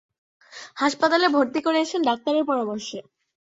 হাসপাতালে ভর্তি করিয়েছেন ডাক্তারের পরামর্শে।